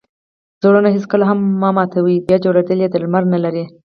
زړونه هېڅکله مه ماتوئ! بیا جوړېدل ئې درمل نه لري.